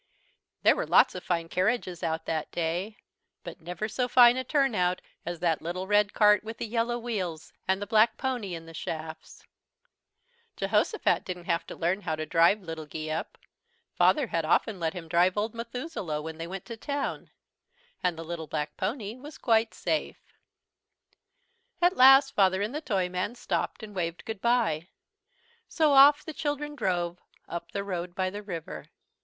There were lots of fine carriages out that day, but never so fine a turnout as that little red cart with the yellow wheels and the black pony in the shafts. Jehosophat didn't have to learn how to drive Little Geeup. Father had often let him drive Old Methuselah when they went to town, and the little black pony was quite safe. At last Father and the Toyman stopped and waved good bye. So off the children drove, up the road by the river.